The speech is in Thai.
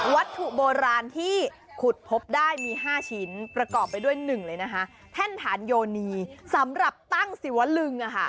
วัตถุโบราณที่ขุดพบได้มี๕ชิ้นประกอบไปด้วย๑เลยนะคะแท่นฐานโยนีสำหรับตั้งศิวลึง